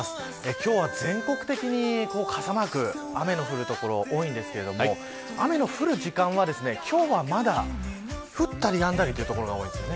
今日は全国的に傘マーク雨の降る所、多いですが雨の降る時間は今日はまだ降ったりやんだりという所が多いです。